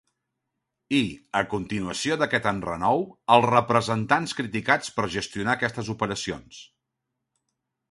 I, a continuació d'aquest enrenou, els representants criticats per gestionar aquestes operacions.